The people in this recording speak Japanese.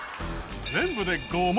全部で５問。